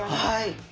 はい。